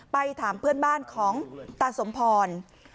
ไปถามเพื่อนบ้านของตาสมพร